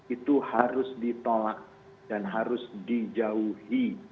itu harus ditolak dan harus dijauhi